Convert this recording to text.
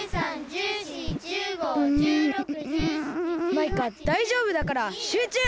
マイカだいじょうぶだからしゅうちゅう！